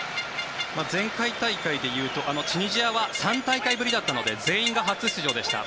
前回大会でいうとチュニジアは３大会ぶりだったので全員が初出場でした。